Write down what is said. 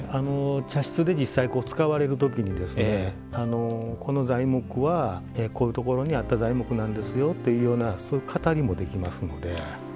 茶室で実際使われるときにこの材木はこういうところにあった材木なんですよというそういう語りもできますので。